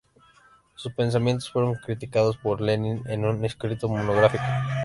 Sus pensamientos fueron criticados por Lenin, en un escrito monográfico.